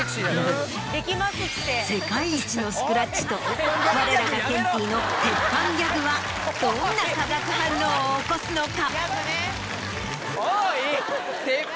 世界一のスクラッチとわれらがケンティーの鉄板ギャグはどんな化学反応を起こすのか？